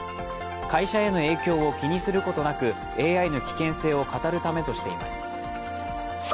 会社への影響を気にすることなくＡＩの危険性を語るためとしています。